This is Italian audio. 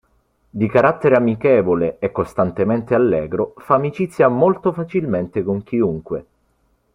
Di carattere amichevole e costantemente allegro, fa amicizia molto facilmente con chiunque.